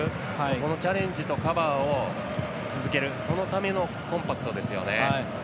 このチャレンジとカバーを続けるそのためのコンパクトですよね。